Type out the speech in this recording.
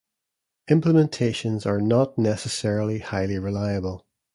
Implementations are not necessarily highly reliable.